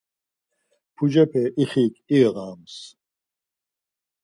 Pucepe ixik iğams.